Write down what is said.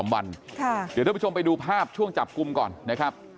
เดี๋ยวท่านผู้ชมไปดูภาพช่วงจับกลุ่มก่อนนะครับ